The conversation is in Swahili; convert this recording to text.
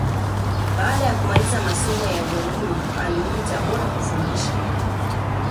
Baada ya kumaliza masomo ya ualimu alirudi Tabora kufundisha